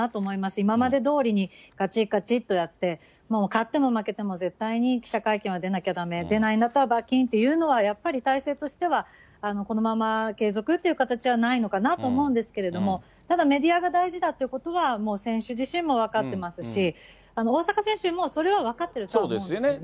今までどおりにかちっかちとやって、もう勝っても負けても絶対に記者会見は出なきゃだめ、出ないんだったら罰金っていうのは、やっぱり体制としてはこのまま継続という形はないのかなと思うんですけれども、ただメディアが大事だっていうことは、もう選手自身も分かってますし、大坂選手もそれは分かってるとは思うんですよね。